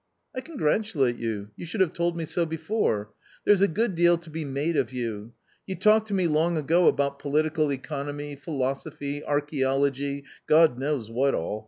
" I congratulate you, you should have told me so before ; there's a good deal to be made of you. You talked to me long ago about political economy, philosophy, archaeology, God knows what all.